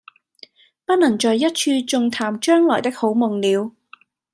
不能在一處縱談將來的好夢了，